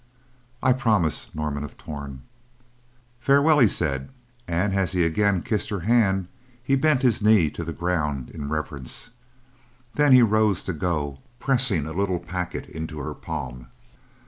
"I promise, Norman of Torn." "Farewell," he said, and as he again kissed her hand he bent his knee to the ground in reverence. Then he rose to go, pressing a little packet into her palm.